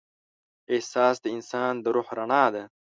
احساس د انسان د روح رڼا ده.